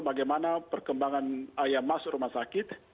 bagaimana perkembangan ayam masuk rumah sakit